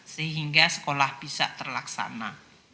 sehingga sekolah bisa terlaksana